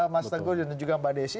mas teguh dan juga mbak desi